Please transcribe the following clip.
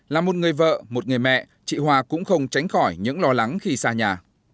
là một người vợ một người mẹ chị hoa cũng không tránh khỏi những lo lắng khi xa nhà